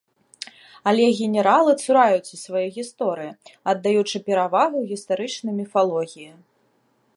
Але генералы цураюцца сваёй гісторыі, аддаючы перавагу гістарычнай міфалогіі.